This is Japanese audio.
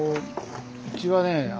うちはね